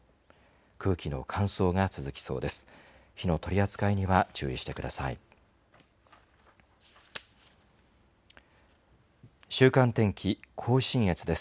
空気の乾燥が続きそうです。